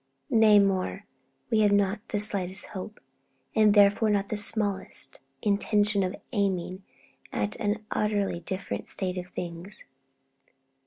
Nay, more, we have not the slightest hope, and therefore not the smallest intention of aiming at an utterly different state of things.